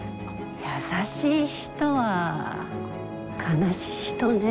優しい人は悲しい人ね。